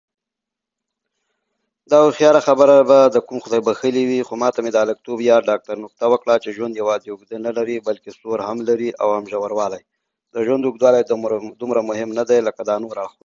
He faced no opposition in the general election.